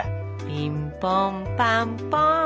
「ピンポンパンポン」